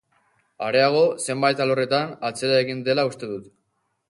Areago, zenbait alorretan atzera egin dela uste du.